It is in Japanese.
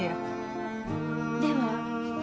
では？